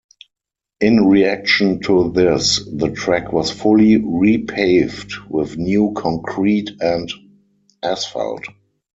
In reaction to this, the track was fully repaved with new concrete and asphalt.